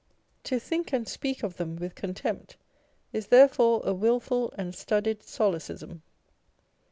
To think and speak of them with contempt is therefore a wilful and studied solecism.